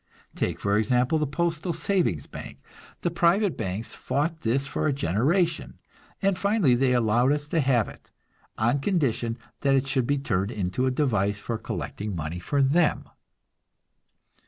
Take, for example, the postal savings bank. The private banks fought this for a generation, and finally they allowed us to have it, on condition that it should be turned into a device for collecting money for them.